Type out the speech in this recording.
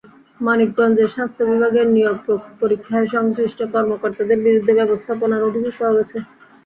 মানিকগঞ্জে স্বাস্থ্য বিভাগের নিয়োগ পরীক্ষায় সংশ্লিষ্ট কর্মকর্তাদের বিরুদ্ধে অব্যবস্থাপনার অভিযোগ পাওয়া গেছে।